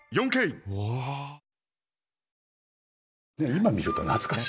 今見ると懐かしい。